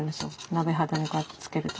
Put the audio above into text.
鍋肌にこうやってつけると。